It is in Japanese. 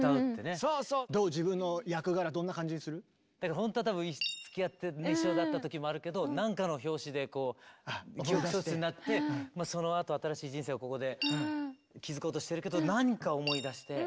ほんとは多分つきあって一緒だった時もあるけど何かの拍子で記憶喪失になってそのあと新しい人生をここで築こうとしてるけど何か思い出して。